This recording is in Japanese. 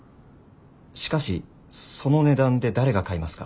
しかしその値段で誰が買いますか？